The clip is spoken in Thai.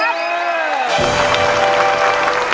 ใช้